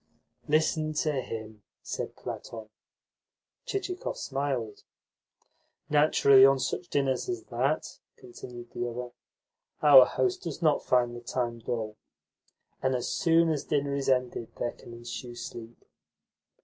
"Listen to him!" said Platon. Chichikov smiled. "Naturally, on such dinners as that," continued the other, "our host does NOT find the time dull. And as soon as dinner is ended there can ensue sleep."